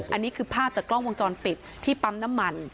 อันนี้คือภาพจากกล้องวงจรปิดที่ปั๊มน้ำมัน